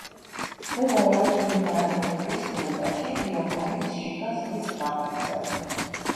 მდებარეობს მდინარე ოტის დელტაში, იაპონიის შიგა ზღვის ნაპირზე.